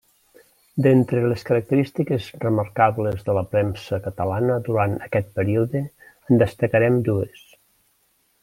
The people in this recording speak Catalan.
D'entre les característiques remarcables de la premsa catalana durant aquest període en destacarem dues.